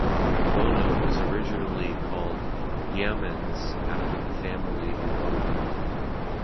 Mona was originally called Yeamans after the family who owned it.